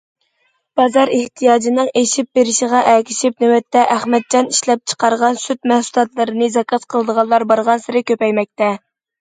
بازار ئېھتىياجىنىڭ ئېشىپ بېرىشىغا ئەگىشىپ، نۆۋەتتە ئەخمەتجان ئىشلەپچىقارغان سۈت مەھسۇلاتلىرىنى زاكاز قىلىدىغانلار بارغانسېرى كۆپەيمەكتە.